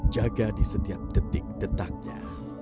jaga di setiap detik detaknya